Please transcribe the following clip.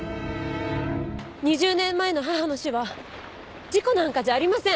２０年前の母の死は事故なんかじゃありません。